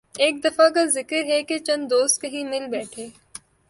ایک دفعہ کا ذکر ہے کہ چند دوست کہیں مل بیٹھے